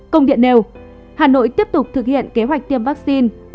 công điện nêu hà nội tiếp tục thực hiện kế hoạch tiêm vaccine